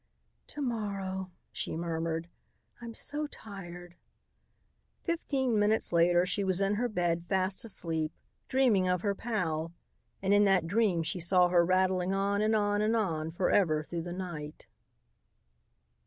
"To morrow," she murmured. "I'm so tired." Fifteen minutes later she was in her bed fast asleep, dreaming of her pal, and in that dream she saw her rattling on and on and on forever through the night.